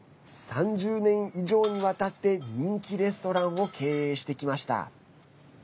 ３０年以上にわたって人気レストランを経営してきました。